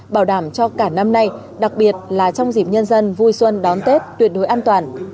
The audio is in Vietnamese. bảo đảm cho cả năm nay đặc biệt là trong dịp nhân dân vui xuân đón tết tuyệt đối an toàn